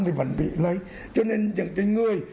thì vẫn bị lấy cho nên những người